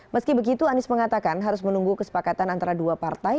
meski begitu anies mengatakan harus menunggu kesepakatan antara dua partai